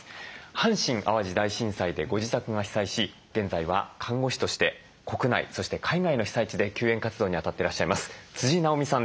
阪神・淡路大震災でご自宅が被災し現在は看護師として国内そして海外の被災地で救援活動にあたってらっしゃいます直美さんです。